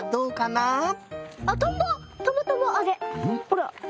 ほら。